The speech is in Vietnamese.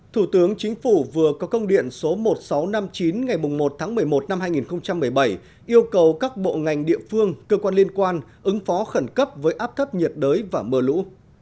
thủ tướng chính phủ vừa có công điện số một nghìn sáu trăm năm mươi chín ngày một tháng một mươi một năm hai nghìn một mươi bảy yêu cầu các bộ ngành địa phương cơ quan liên quan ứng phó khẩn cấp với áp thấp nhiệt đới và mưa lũ